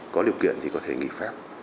có điều kiện thì có thể nghỉ phép